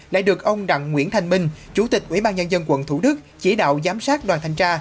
lại được ông đặng nguyễn thanh minh chủ tịch ủy ban nhân dân quận thủ đức chỉ đạo giám sát đoàn thanh tra